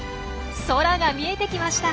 空が見えてきました。